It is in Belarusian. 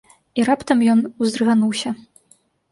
І раптам ён уздрыгануўся.